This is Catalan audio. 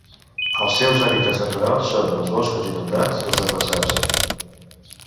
Els seus hàbitats naturals són els boscos inundats i els herbassars.